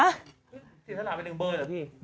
แต่สินทราบเป็นหนึ่งเบอร์เลยอ่ะพี่